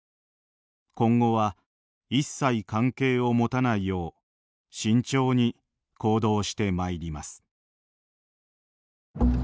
今後は一切関係を持たないよう慎重に行動してまいります」。